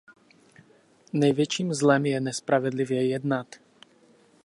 Největším zlem je nespravedlivě jednat.